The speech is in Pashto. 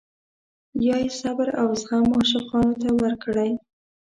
یا یې صبر او زغم عاشقانو ته ورکړی.